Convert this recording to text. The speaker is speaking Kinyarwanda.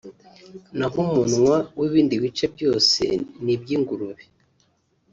naho umunwa n’ibindi bice byose ni iby’ingurube